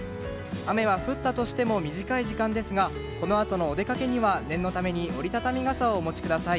雨は降ったとしても短い時間ですがこのあとのお出かけには念のため折り畳み傘をお持ちください。